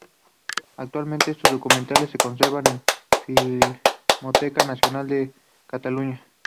Actualmente estos documentales se conservan en la Filmoteca Nacional de Cataluña.